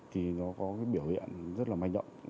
thì nó có biểu hiện rất là manh động